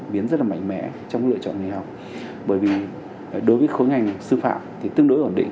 biến rất là mạnh mẽ trong lựa chọn nghề học bởi vì đối với khối ngành sư phạm thì tương đối ổn định